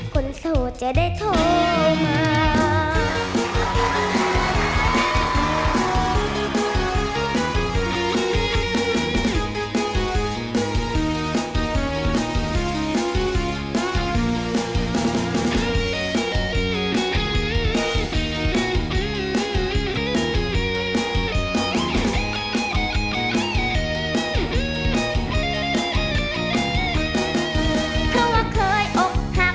คนโสดจะได้โทรมา